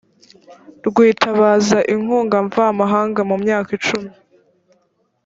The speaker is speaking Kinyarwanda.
rwitabaza inkunga mvamahanga mu myaka cumi ya